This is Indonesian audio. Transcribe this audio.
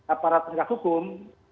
aparat tindak hukum